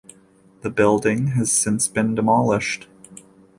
The building has since been demolished.